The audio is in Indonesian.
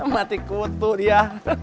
mati kutu dia